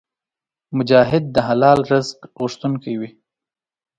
مجاهد د حلال رزق غوښتونکی وي.